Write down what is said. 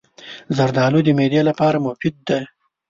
زردالو د معدې لپاره مفید دی.